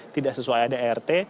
tidak sesuai ada ert